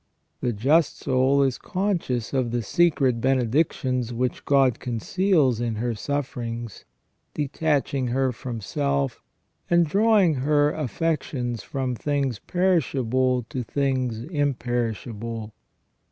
The just soul is conscious of the secret benedictions which God conceals in her sufferings, detaching her from self, and drawing her affections from things perishable to things imperishable.